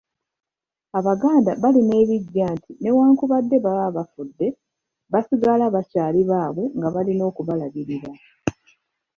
Abaganda barima ebiggya nti newankubadde baba bafudde, basigala bakyaali baabwe nga balina okubalabirira.